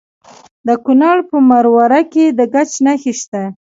د کونړ په مروره کې د ګچ نښې شته.